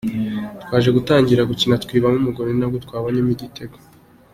Twaje gutangira gukina twiba umugono ni nako twanabonyemo igitego.